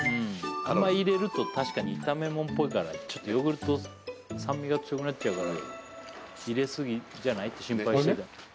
あんまり入れると確かに炒め物っぽいからちょっとヨーグルト酸味が強くなっちゃうから入れすぎじゃない？って心配して。